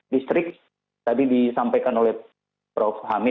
distrik tadi disampaikan oleh prof hamid